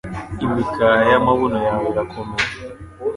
Imikaya y'amabuno yawe irakomeye